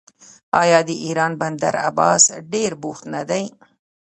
آیا د ایران بندر عباس ډیر بوخت نه دی؟